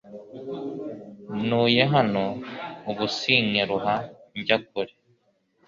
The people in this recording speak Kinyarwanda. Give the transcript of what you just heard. Ntuye hano ubu sinkiruha njya kure